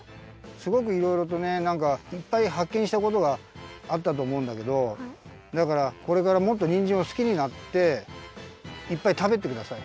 すごくいろいろとねいっぱいはっけんしたことがあったとおもうんだけどだからこれからもっとにんじんをすきになっていっぱいたべてください。